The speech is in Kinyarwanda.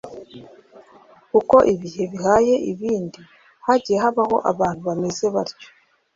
Uko ibihe bihaye ibindi hagiye habaho abantu bameze batyo,